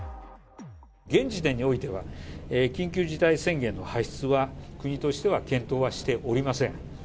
現時点においては、緊急事態宣言の発出は、国としては検討はしておりません。